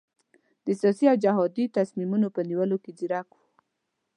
د سیاسي او جهادي تصمیمونو په نیولو کې ځیرک وو.